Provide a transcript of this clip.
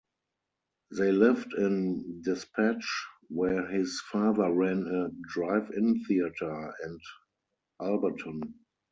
They lived in Despatch, where his father ran a drive-in theater, and Alberton.